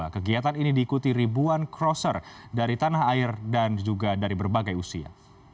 kegiatan ini diikuti ribuan crosser dari tanah air dan juga dari berbagai usia